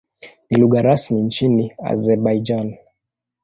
Ni lugha rasmi nchini Azerbaijan.